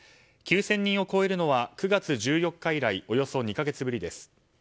９０００人を超えるのは９月１４日以来およそ２か月ぶりです。